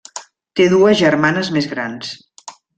Té dues germanes més grans.